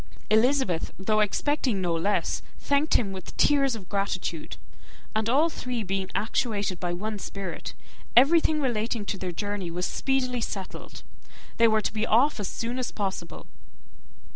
Elizabeth, though expecting no less, thanked him with tears of gratitude; and all three being actuated by one spirit, everything relating to their journey was speedily settled. They were to be off as soon as possible.